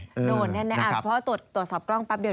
โดนแน่เพราะว่าตรวจสอบกล้องแป๊บเดียว